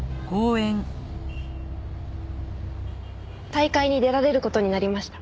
大会に出られる事になりました。